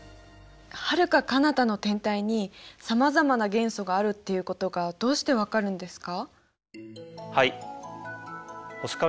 はるかかなたの天体にさまざまな元素があるっていうことがどうしてわかるんですか？